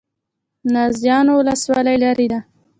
نازیانو ولسوالۍ لیرې ده؟